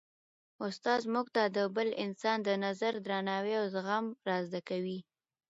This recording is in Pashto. استاد موږ ته د بل انسان د نظر درناوی او زغم را زده کوي.